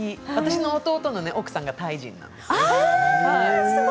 私の弟の奥さんがタイ人なんです。